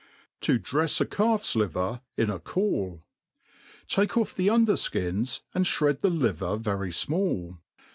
Tif drefs a Coifs Liver in a Cml. TAKE ofF the under (kms, and (bred the liver very fmall^.